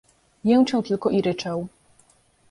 "Jęczał tylko i ryczał."